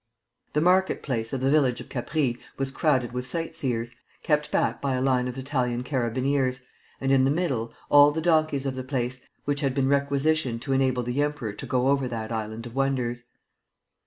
The market place of the village of Capri was crowded with sight seers, kept back by a line of Italian carabiniers, and, in the middle, all the donkeys of the place, which had been requisitioned to enable the Emperor to go over that island of wonders.